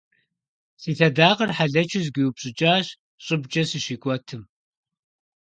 Си лъэдакъэр хьэлэчу зэгуиупщӏыкӏащ щӏыбкӏэ сщикӏуэтым.